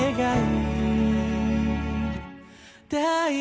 はい！